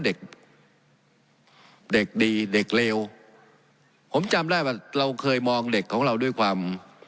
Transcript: เด็กเด็กดีเด็กเลวผมจำได้ว่าเราเคยมองเด็กของเราด้วยความ